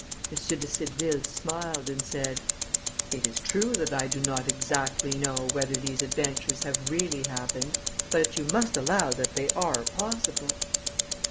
M. de Cideville smiled, and said, "It is true that I do not exactly know whether these adventures have really happened; but you must allow that they are possible."